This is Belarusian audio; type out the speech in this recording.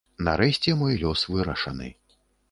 Нарэшце мой лёс вырашаны.